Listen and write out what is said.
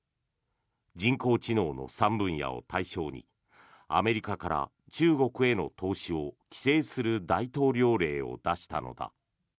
人工知能の３分野を対象にアメリカから中国への投資を規制する大統領令を出したのだ。